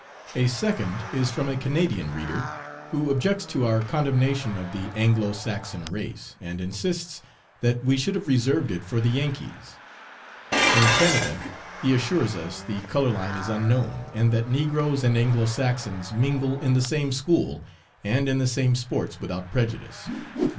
"A second is from a Canadian reader, who objects to our condemnation of the Anglo Saxon race, and insists that we should have reserved it for the Yankees. In Canada, he assures us, the color line is unknown, and that negroes and Anglo Saxons mingle in the same school and in the same sports without prejudice.